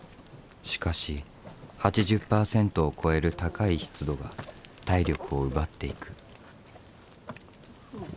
しかし８０％を超える高い湿度が体力を奪っていく。